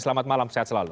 selamat malam sehat selalu